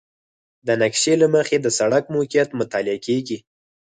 د نقشې له مخې د سړک موقعیت مطالعه کیږي